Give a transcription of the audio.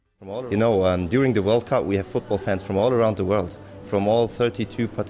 kota kota yang berpartisipasi dan kita melihat banyak dari mereka